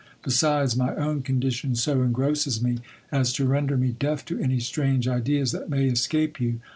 Besides, my own condition so engrosses me, as to render me deaf to any strange ideas that may escape you.